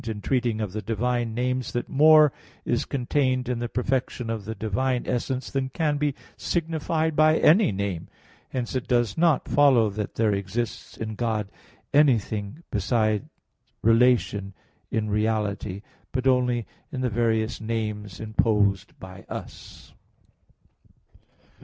2), in treating of the divine names, that more is contained in the perfection of the divine essence than can be signified by any name. Hence it does not follow that there exists in God anything besides relation in reality; but only in the various names imposed by us.